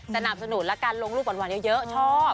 สนับสนุนแล้วกันลงรูปหวานเยอะชอบ